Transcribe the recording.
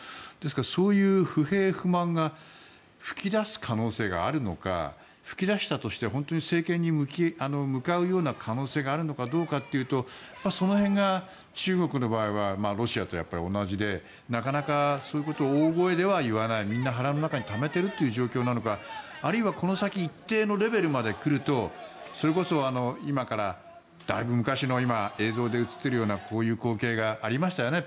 そういう不平、不満が噴き出す可能性があるのか噴き出したとして政権に向かうような可能性があるのどうかというと、その辺が中国の場合はロシアと同じでなかなか、そういうことを大声では言わないみんな腹の中にためている状況なのかあるいは、この先一定のレベルまでくるとそれこそ今からだいぶ昔の映像で映っているようなこういう光景がありましたよね